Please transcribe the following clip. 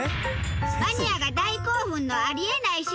マニアが大興奮のあり得ない施設。